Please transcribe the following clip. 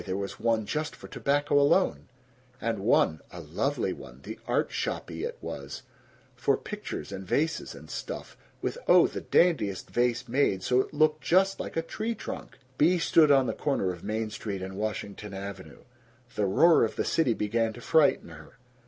There was one just for tobacco alone, and one (a lovely one the Art Shoppy it was) for pictures and vases and stuff, with oh, the dandiest vase made so it looked just like a tree trunk! Bea stood on the corner of Main Street and Washington Avenue. The roar of the city began to frighten her.